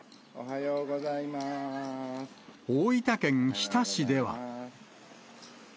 大分県日田市では。